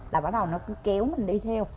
là bắt đầu nó cứ kéo mình đi theo